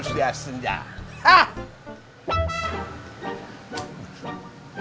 spring peng hacim